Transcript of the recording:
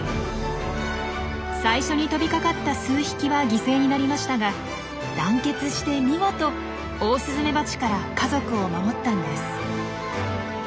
最初に飛びかかった数匹は犠牲になりましたが団結して見事オオスズメバチから家族を守ったんです。